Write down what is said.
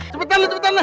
cepetan cepetan nih